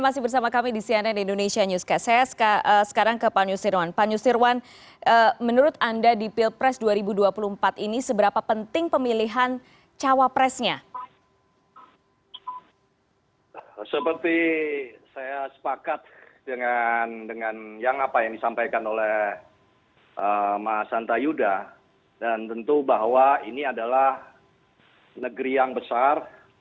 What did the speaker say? seperti saya sepakat dengan yang apa yang disampaikan oleh mas hanta yuda dan tentu bahwa ini adalah negeri yang besar